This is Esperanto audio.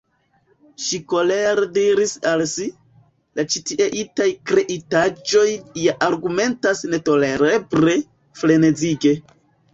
Ŝi kolere diris al si: "La ĉitieaj kreitaĵoj ja argumentas netolereble, frenezige."